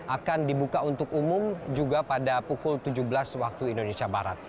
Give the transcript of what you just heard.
akan dibuka untuk umum juga pada pukul tujuh belas waktu indonesia barat